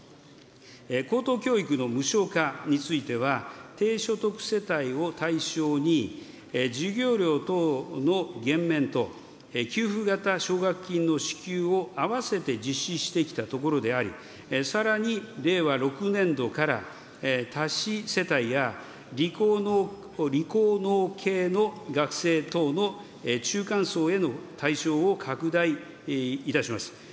高等教育の無償化については、低所得世帯を対象に、授業料等の減免と、給付型奨学金の支給をあわせて実施してきたところであり、さらに、令和６年度から多子世帯や、理工農系の学生等の中間層への対象を拡大いたします。